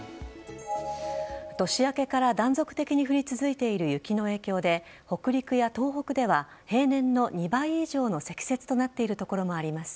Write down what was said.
年明けから断続的に降り続いている雪の影響で北陸や東北では、平年の２倍以上の積雪となっている所もあります。